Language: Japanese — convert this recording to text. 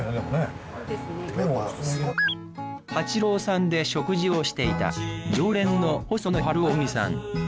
ハチローさんで食事をしていた常連の細野晴臣さん。